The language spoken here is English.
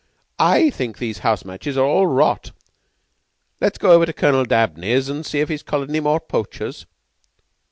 I think these house matches are all rot. Let's go over to Colonel Dabney's an' see if he's collared any more poachers."